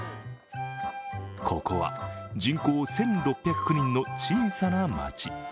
ここは人口１６０９人の小さな町。